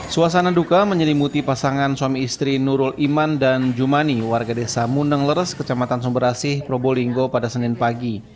suasana duka menyelimuti pasangan suami istri nurul iman dan jumani warga desa mundengles kecamatan sumber asih probolinggo pada senin pagi